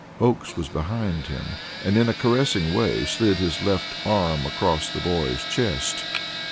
Oakes was behind him, and in a caressing way slid his left arm across the boy's chest.